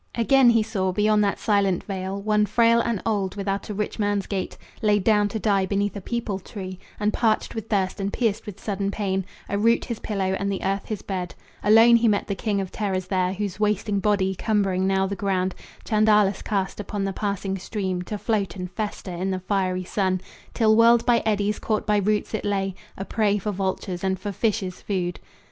Again he saw, beyond that silent vale, One frail and old, without a rich man's gate Laid down to die beneath a peepul tree, And parched with thirst and pierced with sudden pain, A root his pillow and the earth his bed; Alone he met the King of terrors there; Whose wasting body, cumbering now the ground, Chandalas cast upon the passing stream To float and fester in the fiery sun, Till whirled by eddies, caught by roots, it lay A prey for vultures and for fishes food.